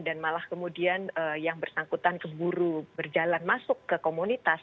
dan malah kemudian yang bersangkutan keburu berjalan masuk ke komunitas